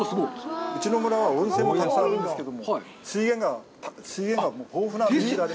うちの村は温泉もたくさんあるんですけども、水源が豊富なんです。